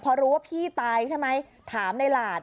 พอรู้ว่าพี่ตายใช่ไหมถามในหลาด